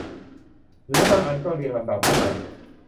หรือบางอันก็เรียงลำดับให้ใหม่